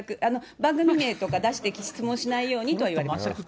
番組名とか出して質問しないようにとは言われました。